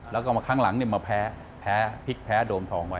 แล้วก็มาครั้งหลังมาแพ้พลิกแพ้โดมทองไว้